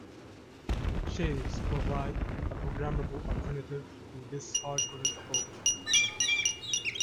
Shaders provide a programmable alternative to this hard-coded approach.